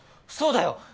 そそうだよ！